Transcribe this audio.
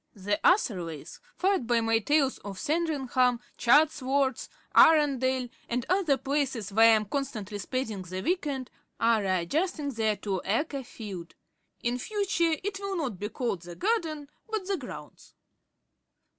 The Atherleys, fired by my tales of Sandringham, Chatsworth, Arundel, and other places where I am constantly spending the week end, are re adjusting their two acre field. In future it will not be called "the garden," but "the grounds."